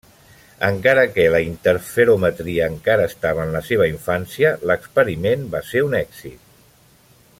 Encara que la interferometria encara estava en la seva infància, l'experiment va ser un èxit.